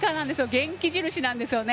元気印なんですよ。